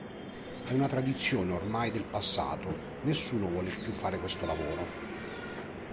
È una tradizione ormai del passato, nessuno vuole più fare questo lavoro.